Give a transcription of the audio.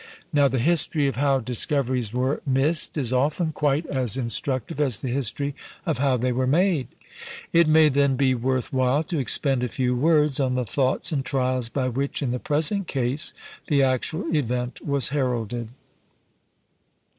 Now the history of how discoveries were missed is often quite as instructive as the history of how they were made; it may then be worth while to expend a few words on the thoughts and trials by which, in the present case, the actual event was heralded.